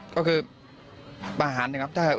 ก็คือประหารนะครับ